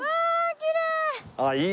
きれい！